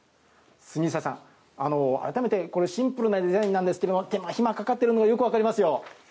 杉下さん、改めてシンプルなデザインなんですけども手間暇かかってるのがよく分かりますよ。